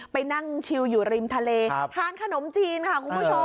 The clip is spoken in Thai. ไปนั่งชิวอยู่ริมทะเลทานขนมจีนค่ะคุณผู้ชม